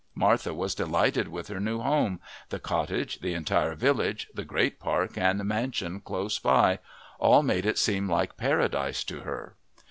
Martha was delighted with her new home the cottage, the entire village, the great park and mansion close by, all made it seem like paradise to her.